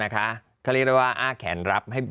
เขาเรียกได้ว่าอ้าแขนรับให้